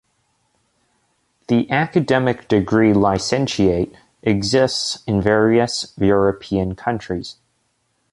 The academic degree licentiate exists in various European countries.